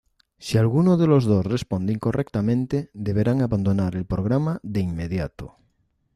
Si alguno de los dos responde incorrectamente, deberán abandonar el programa de inmediato.